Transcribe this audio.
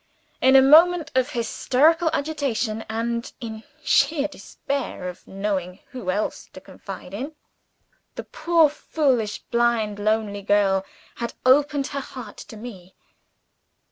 In a moment of hysterical agitation and in sheer despair of knowing who else to confide in the poor, foolish, blind, lonely girl had opened her heart to me.